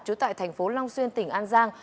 trú tại thành phố long xuyên tỉnh an giang